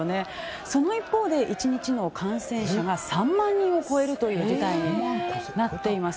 その一方で１日の感染者が３万人を超えるという事態になっています。